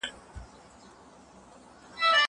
زه به اوږده موده د کتابتون د کار مرسته کړې وم!!